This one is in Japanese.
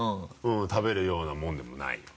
食べるようなものでもないよ